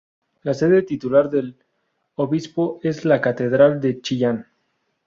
La sede titular del obispo es la catedral de Chillán.